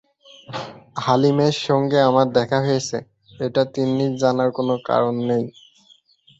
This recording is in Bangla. হালিমের সঙ্গে আমার দেখা হয়েছে, এটা তিন্নির জানার কোনো কারণ নেই।